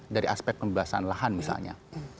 dari aspek pembahasan lahan misalnya